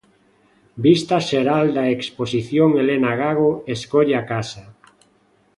Vista xeral da exposición Elena Gago escolle a casa.